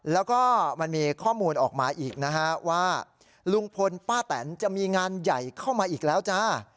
แล้วก็มันมีข้อมูลออกมาอีกนะฮะว่าลุงพลป้าแตนจะมีงานใหญ่เข้ามาอีกแล้วจ้า